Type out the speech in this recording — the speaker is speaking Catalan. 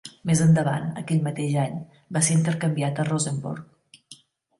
Més endavant, en aquell mateix any, va ser intercanviat a Rosenborg.